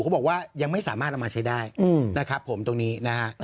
เขาบอกว่ายังไม่สามารถเอามาใช้ได้นะครับผมตรงนี้นะฮะ